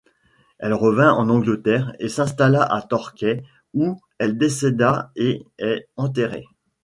Elle revint en Angleterre et s'installa à Torquay où elle décéda et est enterrée.